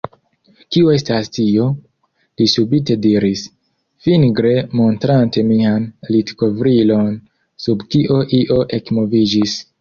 Kio estas tio? li subite diris, fingre montrante mian litkovrilon sub kio io ekmoviĝis.